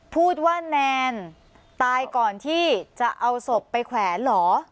พูดว่าแนนตายก่อนที่จะเอาศพไปแขวนเหรอ